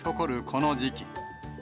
この時期。